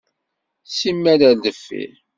Simmal ar deffir.